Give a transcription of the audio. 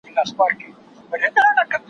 خپل اولاد وږي زمري ته په خوله ورکړم